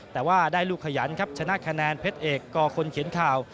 แต่ว่าได้ลูกขยันครับชนะคะแนนเพชรเอกกคนเขียนข่าว